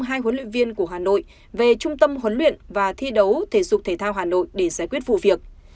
hai huấn luyện viên của hà nội về trung tâm huấn luyện và thi đấu thể dục thể thao hà nội để giải quyết vụ việc